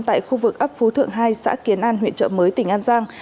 tại khu vực ấp phú thượng hai xã kiến an huyện trợ mới tỉnh an giang